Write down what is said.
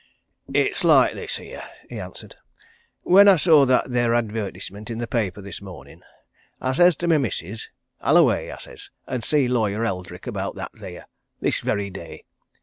"It's like this here," he answered. "When I saw that there advertisement in the paper this mornin', says I to my missus, 'I'll away,' I says, 'an' see Lawyer Eldrick about that there, this very day!'